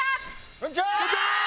こんにちは！